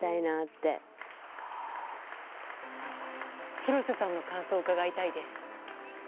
廣瀬さんの感想を伺いたいです。